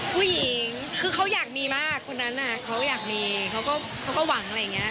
ผู้หญิงคือเขาอยากมีมากคนนั้นเขาอยากมีเขาก็หวังอะไรอย่างนี้